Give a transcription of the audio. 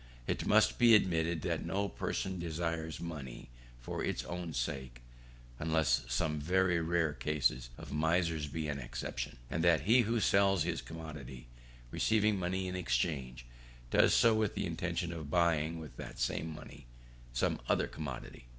It must be admitted that no person desires money for its own sake, (unless some very rare cases of misers be an exception,) and that he who sells his commodity, receiving money in exchange, does so with the intention of buying with that same money some other commodity.